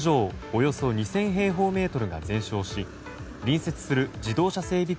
およそ２０００平方メートルが全焼し隣接する自動車整備